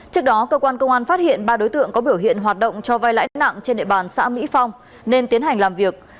trước đó cơ quan công an phát hiện ba đối tượng có biểu hiện hoạt động cho vai lãi nặng trên địa bàn xã mỹ phong nên tiến hành làm việc